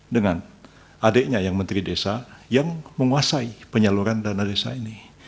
dengan adiknya yang menteri desa yang menguasai penyaluran dana desa ini